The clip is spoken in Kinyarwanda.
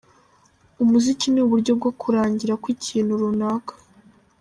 Umuziki ni uburyo bwo kurangira kw’ikintu runaka.